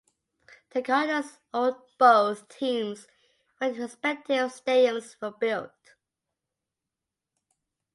The Cardinals owned both teams when the respective stadiums were built.